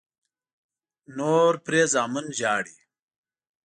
نور پرې زامن ژاړي.